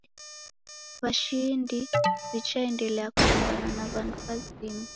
Washindi wichaendelea kuchumbana na wandu wazima